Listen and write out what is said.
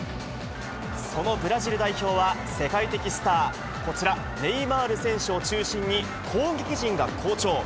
そのブラジル代表は、世界的スター、こちら、ネイマール選手を中心に、攻撃陣が好調。